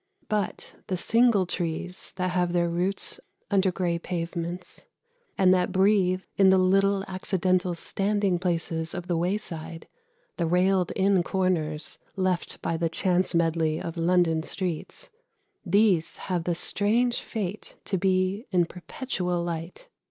But the single trees that have their roots under grey pavements, and that breathe in the little accidental standing places of the wayside, the railed in corners left by the chance medley of London streets these have the strange fate to be in perpetual light.